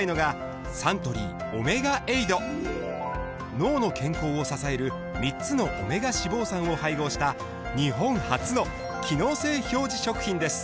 脳の健康を支える３つのオメガ脂肪酸を配合した日本初の機能性表示食品です